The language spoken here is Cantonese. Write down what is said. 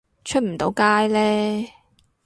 出唔到街呢